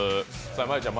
真悠ちゃん